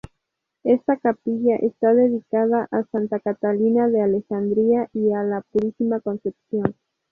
Esta capilla está dedicada a Santa Catalina de Alejandría y a la Purísima Concepción.